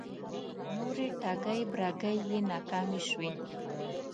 نورې ټگۍ برگۍ یې ناکامې شوې